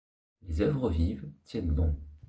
Les œuvres vives tiennent bon.